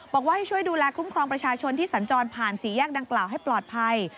บอกว่าให้ช่วยดูแลคุ้มครองประชาชนที่สัญจรผ่านสี่แยกดังกล่าวให้ปลอดภัย